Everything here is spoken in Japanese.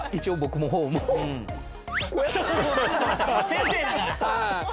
先生だから。